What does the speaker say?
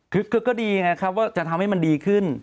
คือก็ดีไงครับว่าจะทำให้มันดีขึ้น